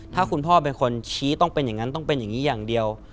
ถ้าคุณพ่อเป็นคนชี้ต้องเป็นอย่างนั้นต้องเป็นอย่างนี้อย่างเดียว